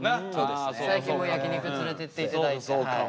最近も焼き肉連れてって頂いて。